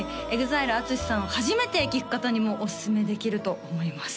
はいＥＸＩＬＥＡＴＳＵＳＨＩさんを初めて聴く方にもおすすめできると思います